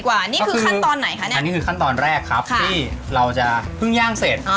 อันนี้คือขั้นตอนแรกครับที่เราจะเพิ่งย่างเสร็จ